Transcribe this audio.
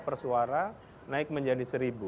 persuara naik menjadi seribu